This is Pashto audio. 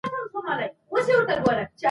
کورنۍ د زعفرانو له لارې خپله نفقه پیدا کوي.